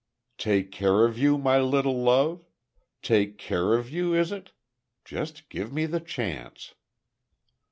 "Take care of you, my little love! Take care of you, is it? Just give me the chance!"